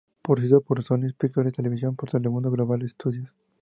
Producida por Sony Pictures Television para Telemundo Global Studios.